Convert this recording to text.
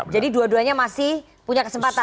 dua duanya masih punya kesempatan